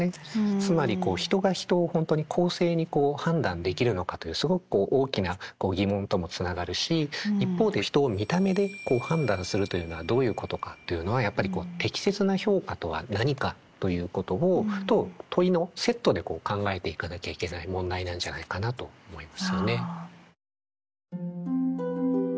つまりこう人が人を本当に公正に判断できるのかというすごくこう大きな疑問ともつながるし一方で人を見た目で判断するというのはどういうことかというのはやっぱり適切な評価とは何かということと問いのセットで考えていかなきゃいけない問題なんじゃないかなと思いますよね。